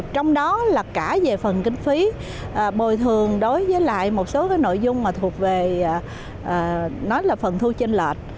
trong đó là cả về phần kinh phí bồi thường đối với lại một số nội dung thuộc về phần thu trên lệch